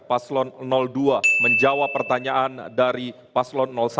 paslon dua menjawab pertanyaan dari paslon satu